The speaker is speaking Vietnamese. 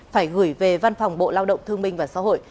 phải gửi về văn phòng bộ lao động thương minh và xã hội